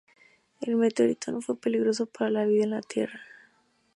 El meteorito no fue peligroso para la vida en la Tierra.